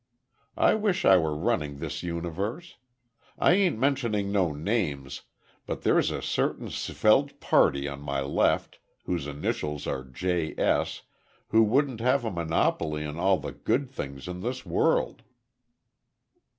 I wish I were running this universe. I ain't mentioning no names, but there's a certain svelte party on my left, whose initials are J. S., who wouldn't have a monopoly on all the good things in this world."